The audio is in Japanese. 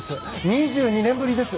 ２２年ぶりです。